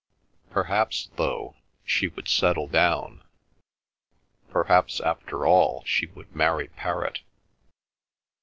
Perhaps, though, she would settle down; perhaps, after all, she would marry Perrott.